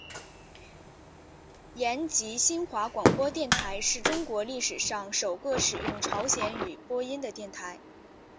延吉新华广播电台是中国历史上首个使用朝鲜语播音的电台。